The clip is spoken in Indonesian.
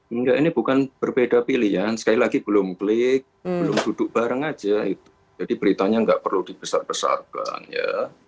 enggak ini bukan berbeda pilihan sekali lagi belum klik belum duduk bareng aja jadi beritanya nggak perlu dibesar besarkan ya